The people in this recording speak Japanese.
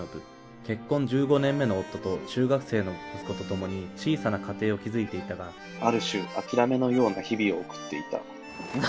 結婚１５年目の夫と中学生の息子とともに小さな家庭を築いていたがある種諦めのような日々を送っていた何？